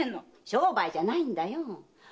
商売じゃないよ。